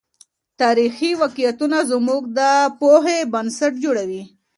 تاريخي واقعيتونه زموږ د پوهې بنسټ جوړوي.